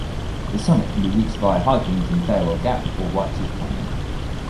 The summit can be reached via hiking from Farewell Gap or White Chief Canyon.